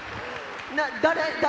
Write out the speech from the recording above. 誰？